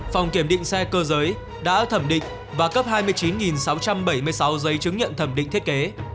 phòng kiểm định xe cơ giới đã thẩm định và cấp hai mươi chín sáu trăm bảy mươi sáu giấy chứng nhận thẩm định thiết kế